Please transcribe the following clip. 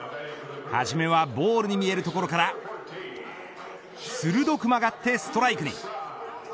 初めはボールに見えるところから鋭く曲がってストライクに。